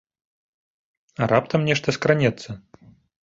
А раптам нешта скранецца?